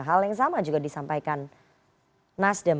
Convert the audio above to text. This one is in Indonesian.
hal yang sama juga disampaikan nasdem